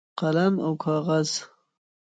قلم او کاغذ